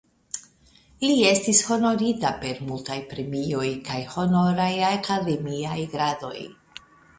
Li estis honorita per multaj premioj kaj honoraj akademiaj gradoj.